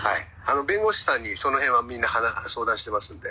弁護士さんにそのへんはみんな相談してますんで。